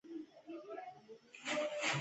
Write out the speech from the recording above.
زه د انسانیت درناوی کوم.